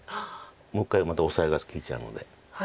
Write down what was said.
もう一回またオサエが利いちゃうので。